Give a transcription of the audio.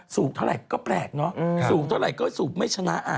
เท่าไหร่ก็แปลกเนอะสูบเท่าไหร่ก็สูบไม่ชนะ